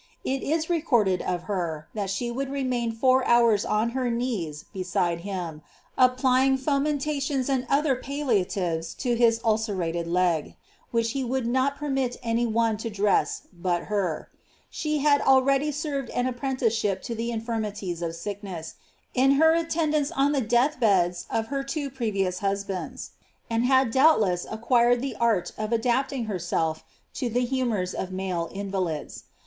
It is re* corded of her, that she would remain for houra on her knees beside him, (pptjiog fomentations and other palliati*e« to his ulcerated leg, which be would not permit any one to dress but her She had already served ■a ipprenticrship to the infirmities of sickness, in her attendance linth bcds of bet two previous husbands, and hat) doubtless b< ilw art of adapting herself to the humours of male invalids.